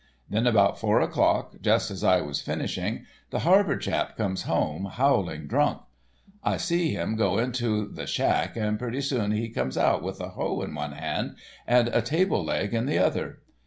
Then about four o'clock, just as I was finishing, the Harvard chap comes home, howling drunk. I see him go into the shack, and pretty soon out he comes, with a hoe in one hand and a table leg in the other.